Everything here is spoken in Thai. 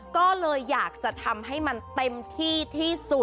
ก็เลยอยากจะทำให้มันเต็มที่ที่สุด